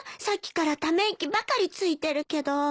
さっきからため息ばかりついてるけど。